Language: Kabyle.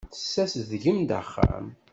Tessazedgem-d axxam.